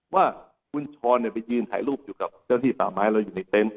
ว่าคุณช้อนไปยืนถ่ายรูปอยู่กับเจ้าที่ป่าไม้เราอยู่ในเต็นต์